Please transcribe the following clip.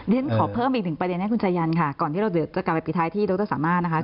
ฉันขอเพิ่มอีกหนึ่งประเด็นให้คุณชายันค่ะก่อนที่เราเดี๋ยวจะกลับไปปิดท้ายที่ดรสามารถนะคะ